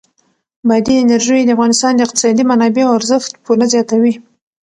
بادي انرژي د افغانستان د اقتصادي منابعو ارزښت پوره زیاتوي.